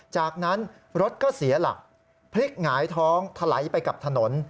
จากนั้นรถก็เสียหลักพลิกหงายท้องถลายไปกับถนน